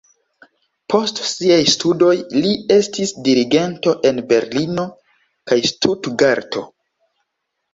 Post siaj studoj li estis dirigento en Berlino kaj Stutgarto.